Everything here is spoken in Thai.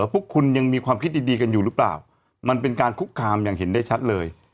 พวกคุณยังมีความคิดดีกันอยู่หรือเปล่ามันเป็นการคุกคามอย่างเห็นได้ชัดเลย